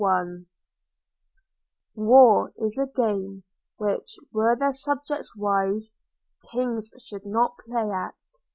VOLUME III War is a game, which, were their subjects wise, Kings should not play at.